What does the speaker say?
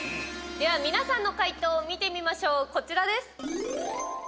では皆さんの解答を見てみましょう、こちらです。